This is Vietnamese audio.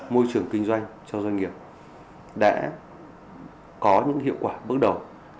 môi trường kinh doanh cho doanh nghiệp đã có những hiệu quả bước đầu